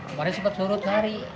kemarin sempat surut hari